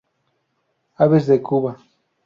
Aves de Cuba